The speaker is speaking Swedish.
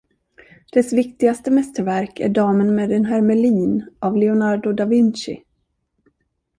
Dess viktigaste mästerverk är ”Damen med en hermelin” av Leonardo da Vinci.